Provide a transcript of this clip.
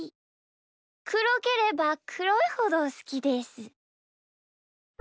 くろければくろいほどすきです。